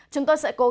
chúng tôi sẽ cố gắng